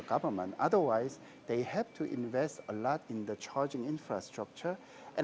jika tidak mereka harus berinvestasi banyak dalam infrastruktur pengisian